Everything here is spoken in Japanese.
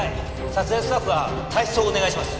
「撮影スタッフは退室をお願いします」